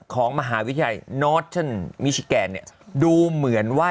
ของมหาวิทยาลัยนอร์ทน์มิชิแกนดูเหมือนว่า